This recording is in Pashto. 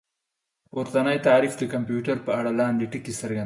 پورتنی تعريف د کمپيوټر په اړه لاندې ټکي څرګندوي